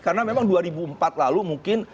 karena memang dua ribu empat lalu mungkin